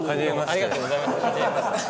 ありがとうございます。